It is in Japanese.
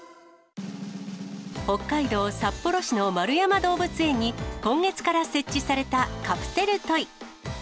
北海道札幌市の円山動物園に、今月から設置されたカプセルトイ。